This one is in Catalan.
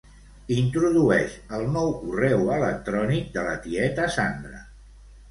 Introdueix el nou correu electrònic de la tieta Sandra.